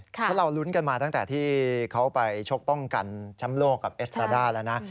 เพราะเรารุ้นกันมาตั้งแต่ที่เขาไปชกป้องกันแชมป์โลกกับเอสตาด้าแล้วนะ